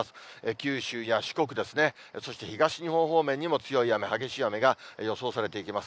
九州や四国ですね、そして東日本方面にも強い雨、激しい雨が予想されていきます。